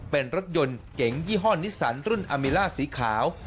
เป็นรถยนต์เก๋งยี่ห้อนิสสันรุ่นอาเมล่าสีขาว